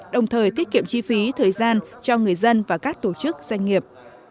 đồng thời tiết kiệm chi phí thời gian cho người dân và các tổ chức doanh nghiệp